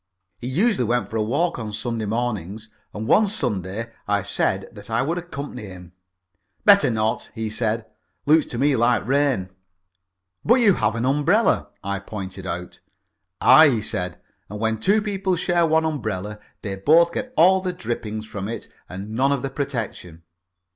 He usually went for a walk on Sunday mornings, and one Sunday I said that I would accompany him. "Better not," he said. "Looks to me like rain." "But you have an umbrella," I pointed out. "Aye," he said, "and when two people share one umbrella, they both get all the drippings from it and none of the protection.